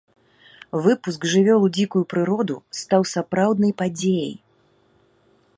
Выпуск жывёл у дзікую прыроду стаў сапраўднай падзеяй.